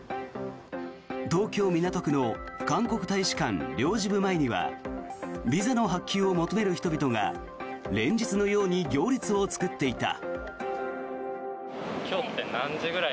東京・港区の韓国大使館領事部前にはビザの発給を求める人々が連日のように行列を作っていた。